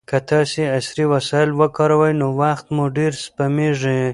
که تاسي عصري وسایل وکاروئ نو وخت مو ډېر سپمېږي.